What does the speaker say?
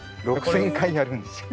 ６，０００回やるんですよ。